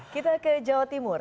kita ke jawa timur